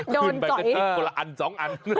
โดนก่อยขึ้นไปจากก็ละอันสองอัน